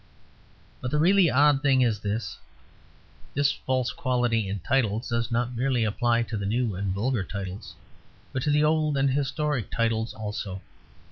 But the really odd thing is this. This false quality in titles does not merely apply to the new and vulgar titles, but to the old and historic titles also.